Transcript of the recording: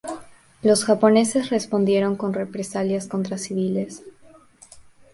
Los japoneses respondieron con represalias contra civiles.